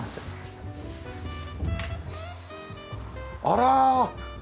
あら！